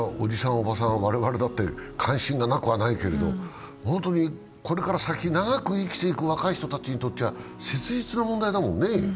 おばさん、我々だって関心がなくはないけれど、これから先、長く生きていく若い人たちにとっては切実な問題だもんね。